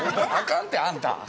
あかんて、あんた。